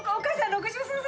６３歳。